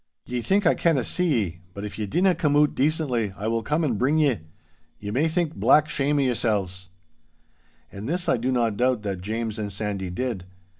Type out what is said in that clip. Ye think I canna see ye, but if ye dinna come oot decently, I will come and bring ye. Ye may think black shame o' yoursel's!' And this I do not doubt that James and Sandy did.